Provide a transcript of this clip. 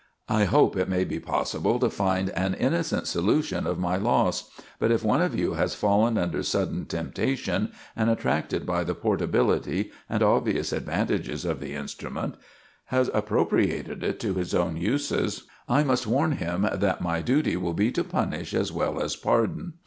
I hope it may be possible to find an innocent solution of my loss; but if one of you has fallen under sudden temptation, and, attracted by the portability and obvious advantages of the instrument, has appropriated it to his own uses, I must warn him that my duty will be to punish as well as pardon.